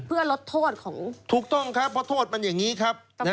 เพื่อลดโทษของถูกต้องครับเพราะโทษมันอย่างนี้ครับ